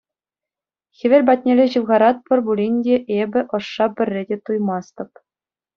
Хевел патнелле ҫывхаратпӑр пулин те эпӗ ӑшша пӗрре те туймастӑп.